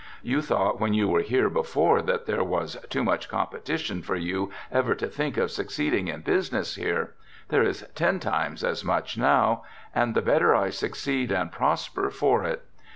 You thought when you were here before that there was too much competition for you ever to think of succeeding in business here — there is ten times as much now, and the better I succeed and prosper for it.